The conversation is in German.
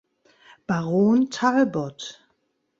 Baron Talbot.